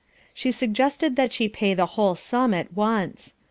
She suggested that she pay the whole sum at once.